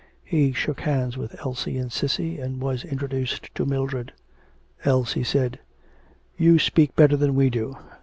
He shook hands with Elsie and Cissy, and was introduced to Mildred. Elsie said: 'You speak better than we do.